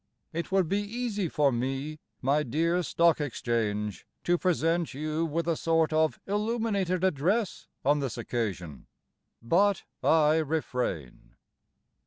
It would be easy for me, my dear Stock Exchange, To present you With a sort of illuminated address on this occasion; But I refrain.